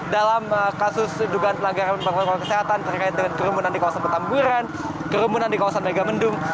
dalam kasus dugaan pelanggaran protokol kesehatan terkait dengan kerumunan di kawasan petamburan kerumunan di kawasan megamendung